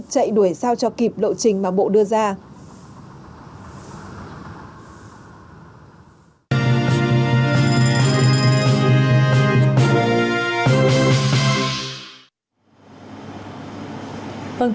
chạy đuổi sao cho kịp lộ trình mà bộ đưa ra